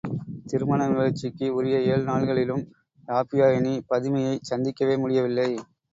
திருமண நிகழ்ச்சிக்கு உரிய ஏழு நாள்களிலும் யாப்பியாயினி, பதுமையைச் சந்திக்கவே முடியவில்லை.